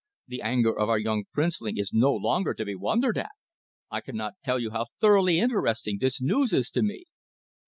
The anger of our young princeling is no longer to be wondered at. I cannot tell you how thoroughly interesting this news is to me."